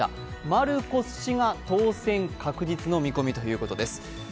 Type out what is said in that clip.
マルコス氏が当選確実の見込みとのことです。